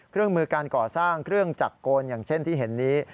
เครื่องมือการก่อสร้างเครื่องจักรโกนอย่างเช่นที่เห็นนี้